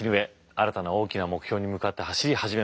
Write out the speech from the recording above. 新たな大きな目標に向かって走り始めます。